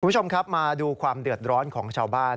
คุณผู้ชมครับมาดูความเดือดร้อนของชาวบ้าน